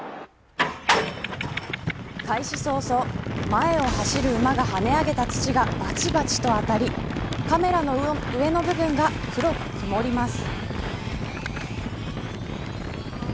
開始早々、前を走る馬が跳ね上げた土がばちばちと当たりカメラの上の部分が黒く曇ります。